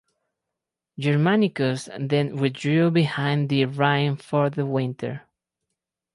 Germanicus then withdrew behind the Rhine for the winter.